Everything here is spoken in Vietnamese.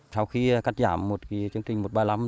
sau khi cắt giảm một chương trình một trăm ba mươi năm